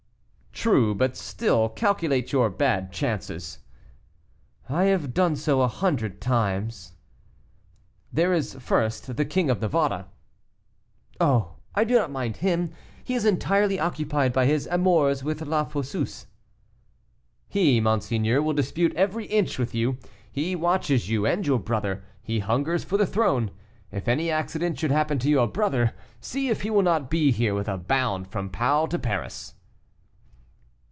"True, but still calculate your bad chances." "I have done so a hundred times." "There is, first, the King of Navarre." "Oh! I do not mind him; he is entirely occupied by his amours with La Fosseuse." "He, monseigneur, will dispute every inch with you; he watches you and your brother; he hungers for the throne. If any accident should happen to your brother, see if he will not be here with a bound from Pau to Paris."